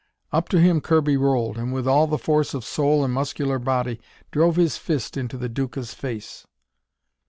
Up to him Kirby rolled, and with all the force of soul and muscular body, drove his fist into the Duca's face.